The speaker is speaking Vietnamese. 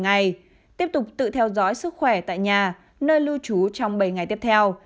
ngày tiếp tục tự theo dõi sức khỏe tại nhà nơi lưu trú trong bảy ngày tiếp theo